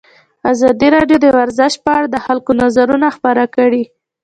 ازادي راډیو د ورزش په اړه د خلکو نظرونه خپاره کړي.